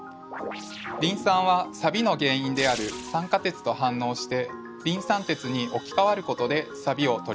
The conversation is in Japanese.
リン酸はサビの原因である酸化鉄と反応してリン酸鉄に置きかわることでサビを取ります。